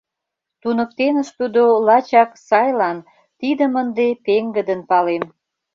Туныктеныс тудо лачак сайлан, Тидым ынде пеҥгыдын палем.